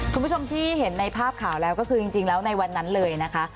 คุณผู้ชมที่เห็นในภาพข่าวแล้วก็คือจริงแล้วในวันนั้นเลยนะคะ